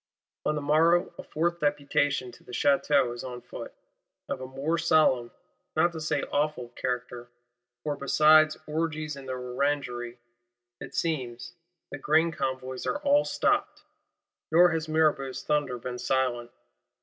On the morrow a fourth Deputation to the Château is on foot: of a more solemn, not to say awful character, for, besides "orgies in the Orangery," it seems, "the grain convoys are all stopped;" nor has Mirabeau's thunder been silent.